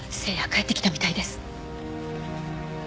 帰ってきたみたいです。